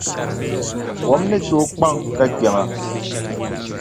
Kom ni tooi kpaŋ ka kpɛma.